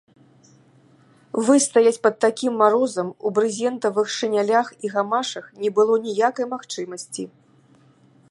Выстаяць пад такім марозам у брызентавых шынялях і гамашах не было ніякай магчымасці.